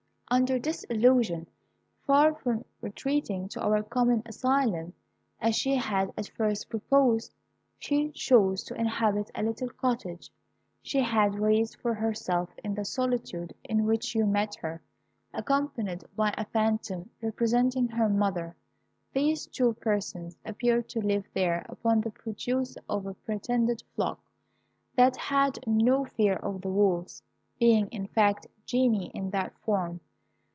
"Under this illusion, far from retreating to our common asylum, as she had at first proposed, she chose to inhabit a little cottage she had raised for herself in the solitude in which you met her, accompanied by a phantom, representing her mother. These two persons appeared to live there upon the produce of a pretended flock that had no fear of the wolves, being, in fact, genii in that form.